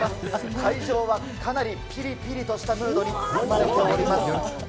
会場はかなりぴりぴりとしたムードに包まれております。